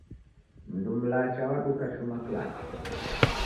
Mundu mlacha waduka chuma kilacha